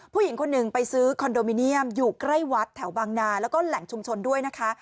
ผู้หญิงคนหนึ่งไปซื้อคอนโดมิเนียมอยู่ใกล้วัดแถวบางนาแล้วก็แหล่งชุมชนด้วยนะคะ